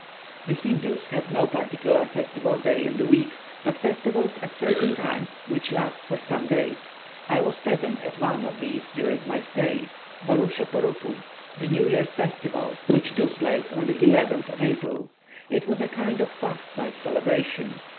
The Hindoos have no particular festival day in the week, but festivals at certain times, which last for some days. I was present at one of these during my stay, Warusche Parupu, the New Year's festival, which took place on the 11th of April. It was a kind of fast night celebration.